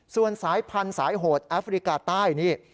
ส่วนสายพันธุ์สายโหดแอฟริกาใต้นี่